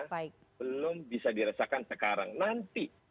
belum bisa dirasakan sekarang nanti